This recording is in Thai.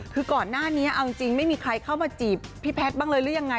คือก่อนหน้านี้เอาจริงไม่มีใครเข้ามาจีบพี่แพทย์บ้างเลยหรือยังไง